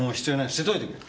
捨てておいてくれ。